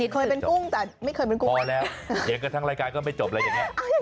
เคยเป็นกุ้งแต่ไม่เคยเป็นกุ้งพอแล้วเถียงกันทั้งรายการก็ไม่จบอะไรอย่างนี้